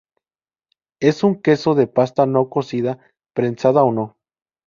Es un queso de pasta no cocida, prensada o no.